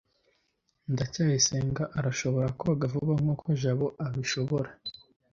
ndacyayisenga arashobora koga vuba nkuko jabo abishoboye